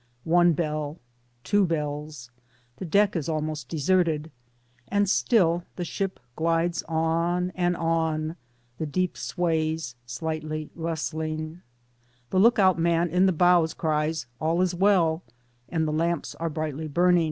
One bell ŌĆö two bells. The deck is almost deserted. And still the ship glides on and on ŌĆö ^the deep sways slightly rustling ŌĆö The look out man in the bows cries * All is well ' ŌĆö and the lamps are brightly burning.